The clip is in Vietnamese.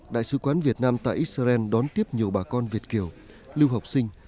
đại sứ quán việt nam tại israel đón tiếp nhiều bà con việt kiều lưu học sinh